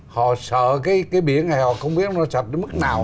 họ sợ cái biển này họ không biết nó sập đến mức nào